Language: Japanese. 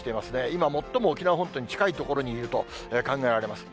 今、最も沖縄本島に近い所にいると考えられます。